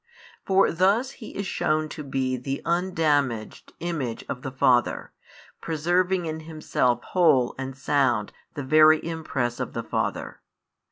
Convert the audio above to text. For thus He is shewn to be the undamaged Image of the Father, preserving in Himself whole and sound the Very Impress of the Father.